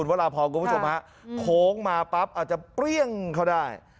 เวลาพอครับคุณผู้ชมโผล่งมาปั๊บอาจจะเปรี้ยงเขาได้